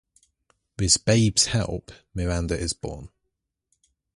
With Babe's help, Miranda is born.